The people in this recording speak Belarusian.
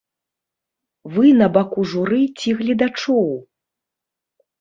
Вы на баку журы ці гледачоў?